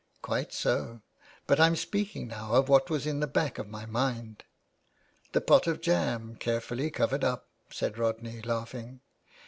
" Quite so ; but I'm speaking now of what was in the back of my mind." " The pot of jam carefully covered up," said Rodney, laughing.